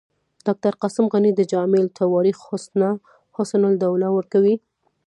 ډاکټر قاسم غني د جامع التواریخ حسني حواله ورکوي.